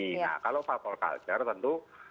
nah kalau favol culture tentu